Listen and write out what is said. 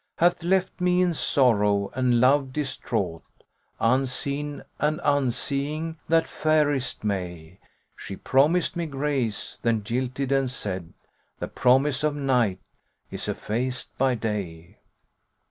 Hath left me in sorrow and love distraught, * Unseen and unseeing, that fairest may: She promised me grace, then jilted and said, * The promise of night is effaced by day!'"